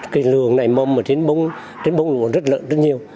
cái lường nảy mầm ở trên bông lũ rất lợn rất nhiều